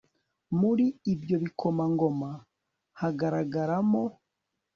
muri ibyo bikomangoma hagaragaram